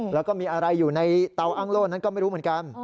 แล้วก็มีอะไรอยู่ในเตาอ้างโล่นั้นก็ไม่รู้เหมือนกัน